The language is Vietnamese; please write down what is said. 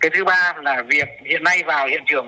thứ ba là việc hiện nay vào hiện trường